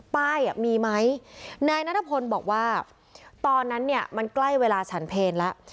อ่ะมีไหมนายนัทพลบอกว่าตอนนั้นเนี่ยมันใกล้เวลาฉันเพลแล้ว